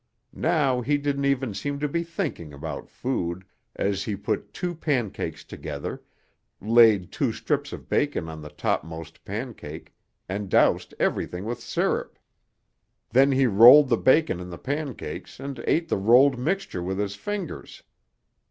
Now he didn't even seem to be thinking about food, as he put two pancakes together, laid two strips of bacon on the topmost pancake and doused everything with syrup. Then he rolled the bacon in the pancakes and ate the rolled mixture with his fingers.